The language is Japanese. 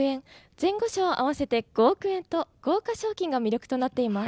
前後賞合わせて５億円と豪華賞金が魅力となっています。